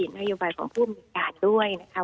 นโยบายของผู้บริการด้วยนะคะ